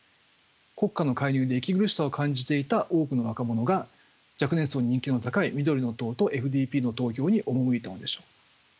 国家の介入に息苦しさを感じていた多くの若者が若年層に人気の高い緑の党とＦＤＰの投票に赴いたのでしょう。